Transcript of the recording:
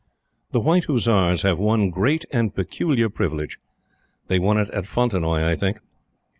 The White Hussars have one great and peculiar privilege. They won it at Fontenoy, I think.